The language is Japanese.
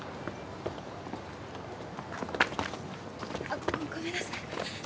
あっごごめんなさい。